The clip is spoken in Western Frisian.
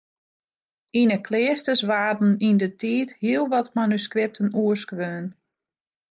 Yn 'e kleasters waarden yndertiid hiel wat manuskripten oerskreaun.